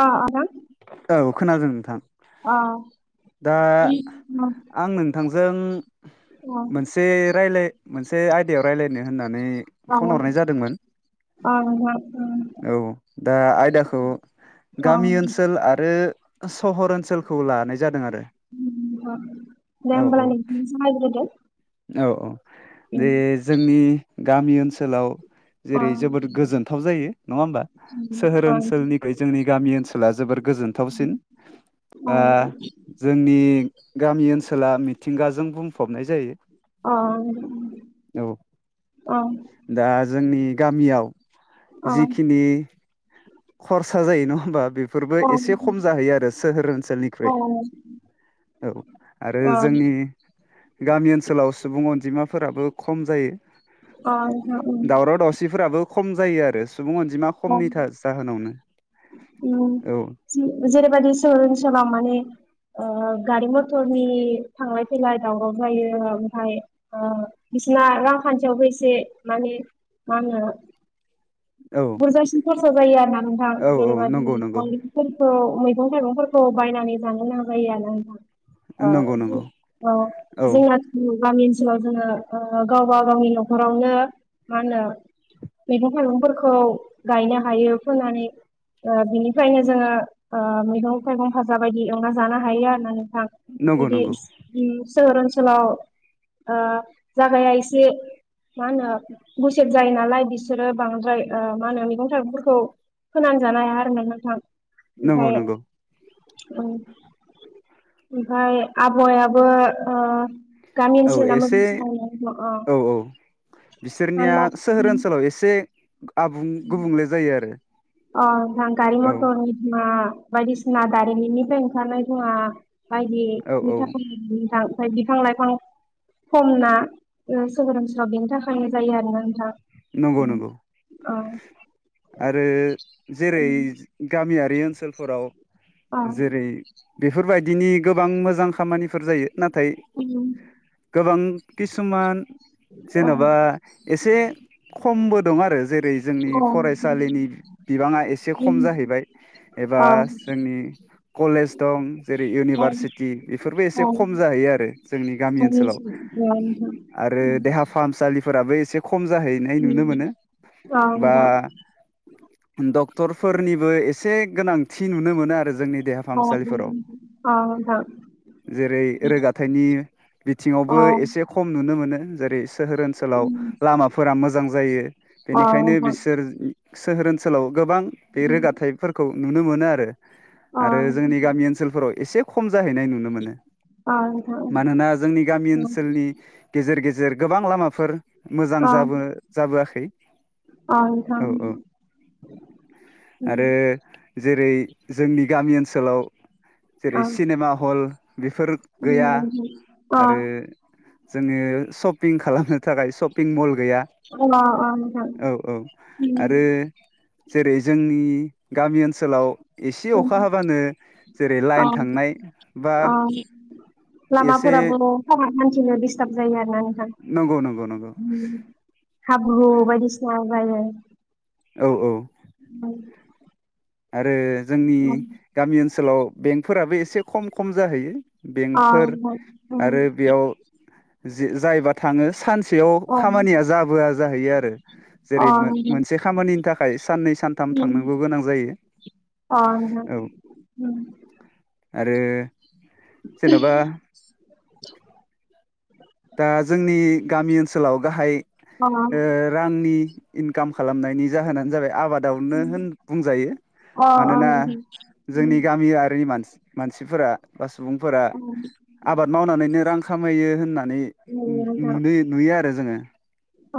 अ आ औ खोनादों नोंथां अ दा आं नोंथांजों औ मोनसे रायलाय मोनसे आयदायाव रायलायनो होननानै अ फन हरनाय जादोंमोन अ नोंथां औ दा आयदाखौ गामि दे ओनसो सोल आरो सहर ओनसोलखौ लानाय जादों आरो [unintelligible] दे औ औ ओनबालाय नोंथाङा जागायग्रोदो औ - औ जे जोंनि गामि ओनसोलाव अ जेरै जोबोद गोजोनथाव जायो नङा होमबा सोहोर अ ओनसोलनिख्रुइ जोंनि गामि ओनसोला जोबोद जोबोर गोजोनथावसिन जोंनि गामि ओनसोला मिथिंगाजों बुंफबनाय जायो। अ औ अ। दा जोंनि गामियाव जिखिनि खरसा जायो नङा होमबा। बेफोरबो अ एसे खम जाहैयो आरो सोहोर अ ओनसोलनिख्रुय। औ आरो अ जोंनि। गामि ओनसोलाव सुबुं अनजिमाफोराबो खम जायो। दावराव दावसिफोराबो खम जायो आरो सुबुं अनजिमा खमनिथ। औ जेरैबायदि सोहोर ओनसोलाव माने। ओ गारि मथरनि थांलाय फैलाय दावराव जायो ओमफ्राय ओ। जना रांखान्थियावबो एसे माने मा होनो। औ बुरजासिन खरसा जायो आरो ना नोंथां औ औ जेनेबा नंगौ दिनै नंगौ बफोरखौ। मैगं थाइगंफोरखौ बायनानै जानो नांजायो ना नों। नंगौ नंगौ औ औ जोंना। गामि ओनसोलाव जोङो गावबा गावनि न'खरावनो मा होनो। बिदि थाइगंफोरखौ गायनो हायो फोननानै। बिनिफ्रायनो जोङो मैगं थाइगं भाजा बायदि एंना जानो हायो आरोनानै। नंगौ बिदि नंगौ सोहोर ओनसोलाव। ओ जागाया एसे। मा होनो गुसेब जायो नालाय बिसोरो बांद्राय। मा होनो मैगं थाइगंफोरखौ फोनां जानो हाया आरो ना नोंथां। नंगौ नंगौ। ओमफ्राय आबहावायाबो। गामि औ एसे ओनसोलना औ औ [unintelligible] बिसोरनिया सोहोर ओनसोलाव एसे आबुं गुबुंले जायो आरो। अ नोंथां गारि औ मथरनि धुंहा बायदिसिना दारिमिननिफ्राय ओंखारनाय धुंहा। औ बायदिनि औ थाखायजां ओमफ्राय बिफां लाइफां खमना सोगोरोम सोराव बेनि थाखायनो जायो आरोना नोंथां। नंगौ नंगौ औ आरो। जेरै गामियारि ओनसोलफोराव जेरै बेफोरबायदि। दिनि गोबां मोजां खामानिफोर जायो नाथाय औ गोबां। किसुमान जेनेबा एसे। खमबो दं आरो जेरै जोंनि फरायसालिनि बिबाङा एसे खम जाहैबाय। बा जोंनि कलेज दं। जेरै इउनिभारसिटि बेफोरबो एसे खम जाहैयो आरो जोंनि गामि ओनसोलाव। आरो देहा फाहामसालिफोराबो एसे खम जायो। नुनो मोनो बा डक्टर फोरनिबो एसे। गोनांथि नुनो मोनो आरो। जोंनि देहा फाहामसालिफोराव अ औ। जेरै रोगाथायाइनि। बिथिङावबो एसे खम नुनो मोनो जेरै सोहोर ओनसोलाव लामाफोर। फोर मोजां जायो बेनिखायनो बिसोर सोहोर ओनसोलाव। गोबां बे रोगाथायाइफोरखौ नुनो मोनो आरो आरो जोंनि गामि ओनसोलफोराव एसे। खम जाहैनाय नुनो मोनो। अ। मानोना जोंनि गामि ओनसोलनि गेजेर गेजेर गोबां लामाफोर मोजां। जाबोआखै औ औ। आरो जेरै जोंनि गामि ओनसोलाव। जेरै सिनेमा हल बेफोर गैया आरो। जोङो शपिं खालामनो थाखाय शपिं हल। गैया औ औ आरो। जेरै जोंनि गामि ओनसोलाव एसे अखा हाबानो जेरै लाइन थांनाय बा एसे लामाफोराबो [unintelligible] हान्थिनो दिडिस्टार्ब जायो आरोना नोंथां नंगौ नंगौ नंगौ हाब्रु बायदिसिना जायो औ औ उम आरो जोंनि गामि ओनसोलाव बेंकफोराबो एसे खम खम जाहैयो। अ बेंकफोर आरो बेयाव जे जायबा थाङो सानसेयाव खामानिया जाबोआ जाहैयो आरो जेरै मो मोनसे खामानिनि थाखाय साननै सानथाम थांनांगौ गोनां जायो। अ औ नोंथां उम आरो जेनबा दा जोंनि गामि ओनसोलाव गाहाय ओ रांनि इनकाम खालामनायनि जाहोनानो जाबाय आबादावनो होन बुंजायो मानोना जोंनि गामियारिनि मानसि मानसिफोरा बा सुबुंफोरा आबाद मावनानैनो रां खामायो होनना नु नुदै नुयो आरो जोङो अ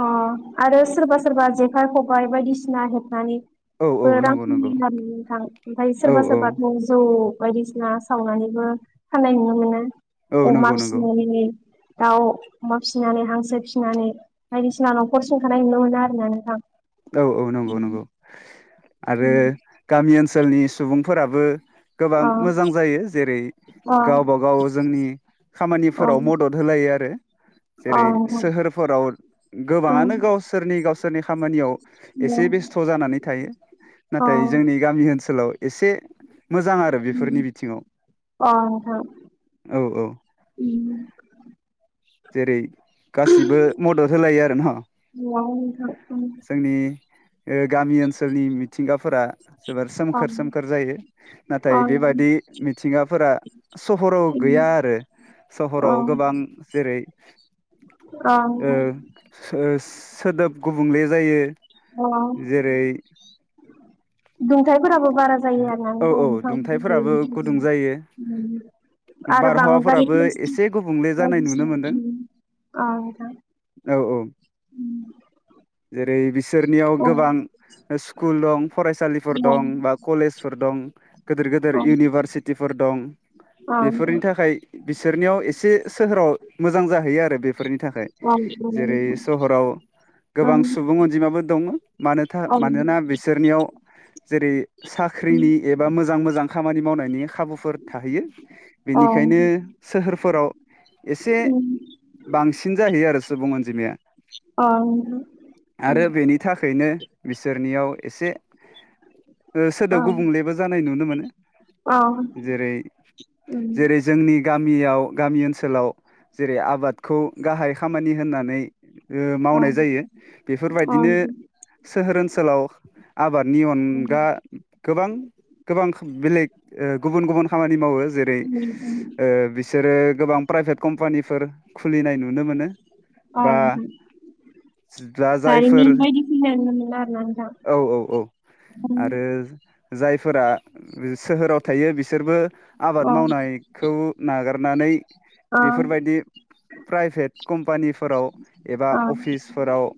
आरो सोरबा सोरबा जेखाइ खबाय बायदिसिना हेबनानै औ औ रां [unintelligible] नंगौ नंगौ नोंथां ओमफ्राय औ सोरबा औ सोरबाथ जौ बायदिसिना सावनानैबो फाननाय नुनो मोनो औ अमा नंगौ नंगौ फिसिनानै दाउ अमा फिसिनानै हांसो फिसिनानै बायदिसिना न'खर सुंथानाय नुनो मोनो आरोना नोंथां। औ औ नंगौ नंगौ आरो गामि ओनसोलनि सुबु बुंफोराबो गोबां मोजां जायो जेरै गावबा गाव जोंनि खामानिफोराव मदद होलायो आरो जेरै सोहोरफोराव गोबाङानो गावसोरनि गावसोरनि खामानियाव एसे बेस्थ' जानानै थायो नाथाय जोंनि गामि ओनसोलाव एसे मोजां आरो बेफोरनि बिथिङाव औ औ उम जेरै गासिबो मदद होलायो आरो न [unintelligible] ए गामि ओनसोलनि मिथिंगाफोरा जोबोर सोमखोर सोमखोर जायो नाथाय बेबादि मिथिंगाफोरा सहराव गैया आरो सहराव गोबां जेरै ओ ओस सोदोब गुबुंले जायो जेरै दुंथायाइफोराबो बारा जायो आरो औ नोंथां औ बिफां दुंथाइफोराबो गुदुं जायो [unintelligible] आरो बांद्राय बारहावाफोराबो एसे गुबुंले [unintelligible] जानाय नुनो बायदिसिना मोनदों [unintelligible] औ नोंथां औ ओरै बिसोरनियाव गोबां स्कुल दं फरायसालिफोर दं बा कलेजफोर दं गिदिर गिदिर इउनिभारसिटिफोर दं बेफोरनि थाखाय बिस बिसोरनियाव एसे सोहोराव मोजां जाहैयो आरो बेफोरनि थाखाय जेरै सहराव गोबां सुबुं अनजिमाबो दङ मानोथा मानोना बिसोरनियाव जेरै साख्रिनि एबा मोजां मोजां खामानि मावनायनि खाबुफोर थाहैयो अ बेनिखायनो सोहोरफोराव एसे अ बांसिन जाहैयो आरो सुबुं अनजिमाया आरो बेनि थाखाय नो बिसोरनियाव एसे सोदोब गुबुंलेबो जानाय नुनो मोनो। अ जेरै जेरै जोंनि गा मियाव गामि ओनसोलाव जेरै आबादखौ गाहाय खामानि होननानै ओ मावनाय जायो बेफोरबायदिनो सोहोर ओनसोलाव आबादनि अनगा गोबां गोबां बेलेग ओ गुबुन गुबुन खामा मावो जेरै ओ बिसोरो गोबां प्राइभेट कम्पानिफोर खुलिनाय नुनो मोनो। अ बा दा जायफोर दारिमिन बायदि [unintelligible] ना नोंथां औ औ औ आरो जायफोरा सोहोराव थायो बिसोरबो आबाद मावनायखौ नागारनानै अ बेफोरबायदि प्राइभेट कम्पानिफोराव एबा अ अफिसफोराव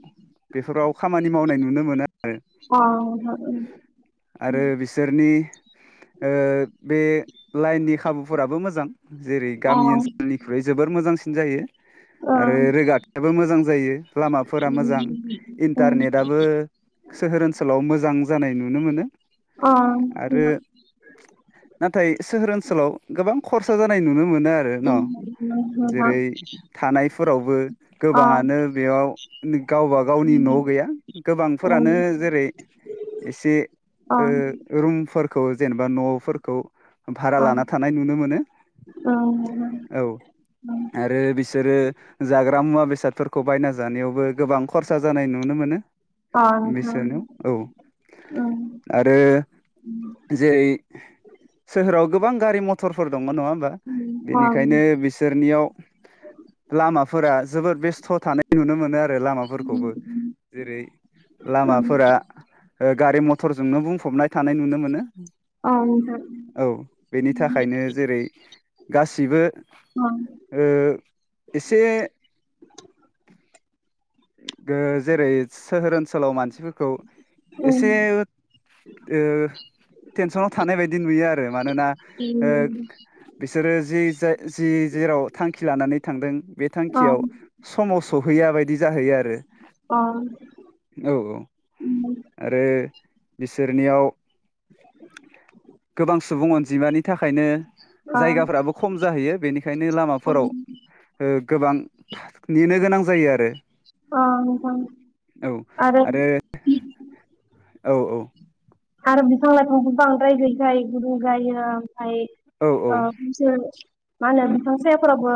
बेफोराव खामानि मावनाय नुनो मोनो आरो [unintelligible] आरो बिसोरनि ओ बे लाइननि खाबुफोराबो मोजां जेरै गामि ओनसोलनिख्रुइ जोबोर मोजांसिन जायो। [unintelligible] आरो रोगाथायाबो मोजां जायो लामाफोरा मोजां अ इन्टारनेटाबो सोहोर ओनसोलाव मोजां जानाय नुनो मोनो अ आरो नाथाय सोहोर ओनसोलाव गोबां खरसा जानाय नुनो मोनो आरो न'? जेरै थानायफोरावबो गोबाङानो बेयाव गावबा गावनि न न'आव गैया गोबांफोरानो जेरै एसे ओ रुमफोरखौ जेनेबा न'फोरखौ भारा लाना थानाय नुनो मोनो अ औव आरो बिसोरो जाग्रा मुवा बेसादफोरखौ बायना जानायावबो गोबां खरसा जानाय नुनो मोनो नोंथां बिसोरो औ आरो जेरै सोहोराव गोबां गारि मथरफोर दङ नङा होमबा बेनिखायनो बिसोरनियाव लामाफोरा जोबोद बेस्थ' थानाय नुनो मोनो आरो लामाफोरखौबो जेरै अ लामाफोरा ओ गारि मथरजोंनो बुंफबनाय थानाय नुनो मोनो। [inaudible] औ बेनि थाखायनो जेरै गासिबो ओ एसे गो जेरै सोहोर ओनसोलाव मानसिफोरखौ एसे ओ टेनसनाव थानाय बायदि नुयो आरो मानोना ओ बिसोरो जि जाय जि जेराव थांखि लानानै थांदों बे थांखियाव समाव सहैया बायदि जाहैयो आरो [inaudible] औ औव आरो बिसोरनियाव [inaudible] गोबां सुबुं अनजिमानि थाखायनो जायगाफ्राबो खम जाहैयो बेनिखायनो लामाफोराव ओ गोबां थार नेनो गोनां जायो आरो [inaudible] औ आरो औ औ आरो बिफां लाइफांखौ बांद्राय गैखाय गुदुं जायो। फाय औ औ ओ ज [unintelligible] मा होनो बिफां सायाफोरावबो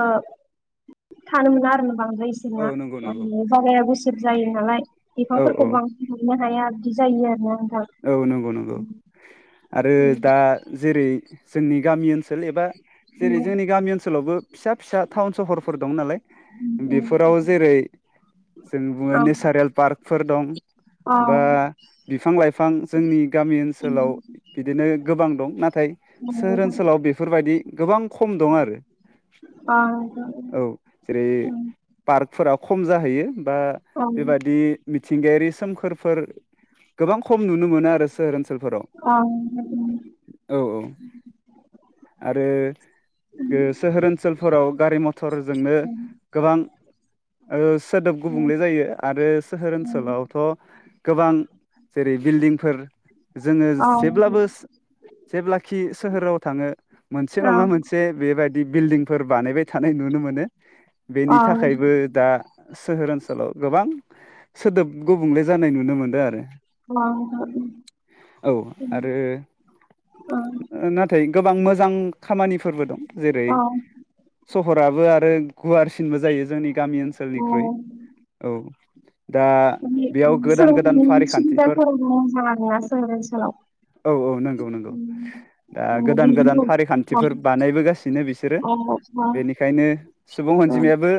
थानो मोना आरो न बां बा इसोरना औ नंगौ नंगौ बालाया गुसेब जायो नालाय औ औ बिफांफोरखौ बांसिनो हाया आदि जायो आरो ना औ नंगौ नंगौ आरो दा जेरै जोंनि गामि ओनसोल एबा जेरै जोंनि गामि ओनसोलावबो फिसा फिसा टाउन सहरफोर दं नालाय बेफोराव जेरै जों बुङो नेचारेल पार्कफोर दं औ बा बिफां लाइफां फां जोंनि गामि ओनसोलाव बिदिनो गोबां दं नाथाय सोहोर ओनसोलाव बेफोरबायदि गोबां खम दं आरो आंहो बे पार्कफोरा खम जाहैयो बा सोलोंथाइनि बेबादि मिथिंगायारि सोमखोरफोर गोबां खम नुनो मोनो आरो सोरोंस [unintelligible] औ औ आरो ओ सोहोर ओनसोलफोराव गारि मथरजोंनो गोबां ओ सोदोब गुबुंले जायो आरो सोहोर ओनसोलावथ'। गोबां जेरै बिल्डिंफोर जोङो जेब्लाबोस जेब्लाखि सोहोराव थाङो मोनसे नङा मोनसे बेबायदि बिल्डिंफोर बानायबाय थानाय नुनो मोनो। [inaudible] बेनि थाखायबो दा सोहोर ओनसोलाव गोबां सोदोब गुबुंले जानाय नुनो मोनो। मोनदो आरो औ आरो ओ नाथाय गोबां मोजां खामानिफोरबो दं जेरै सह हराबो आरो गुवारसिनबो जायो जोंनि गामि ओनसोलनिख्रुइ औ दा बेयाव गोदान गोदान फारिखान्थ सिदान फोरावबो मोजां आरोना सोहोर ओनसोलाव। औ औ नंगौ नंगौ दा गोदान गोदान बिदिनो फारिखान्थिफोर बानायबोगासिनो बिसोरो बेनिखायनो सुबुं अनजिमायाबो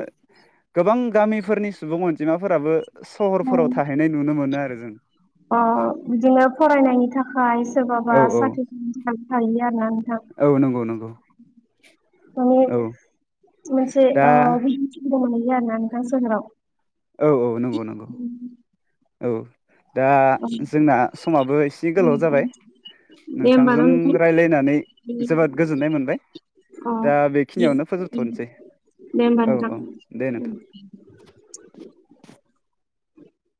गोबां गामिफोरनि सुबुं अनजिमा फोराबो सहरफोराव थाहैनाय नुनो मोनो आरो जों अ बिदिनो फरायनायनि थाखाय सोरबाबा औ औ साख्रि जानानै थायो। आरोना नोंथां औ नंगौ नंगौ। माने औ मोनसे दा ओ बिथिखौबो मोनहैयो आरो ना नोंथां सोहोराव। औ औ नंगौ नंगौ औ दा दे जोंना समाबो एसे गोलाव जाबाय। होमबा नोंथांजों न' नोंथां रायलायनानै जोबोद गोजोननाय मोनबाय। अ दा बेखिनियावनो फोजोबथ'नोसै। दे ओमबा औ नोंथां औ दे नोंथां उम [inaudible]